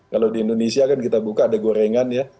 kalau di indonesia kan kita buka ada gorengan ya